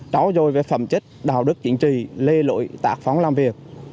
đó rồi về phẩm chất đạo đức chính trị lê lội tạc phóng làm việc